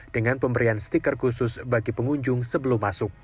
dengan pemberian stiker khusus bagi pengunjung sebelum masuk